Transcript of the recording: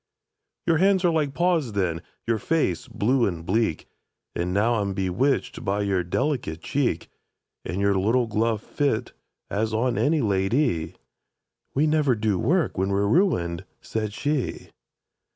—"Your hands were like paws then, your face blue and bleak, But now I'm bewitched by your delicate cheek, And your little gloves fit as on any la dy!"— "We never do work when we're ruined," said she.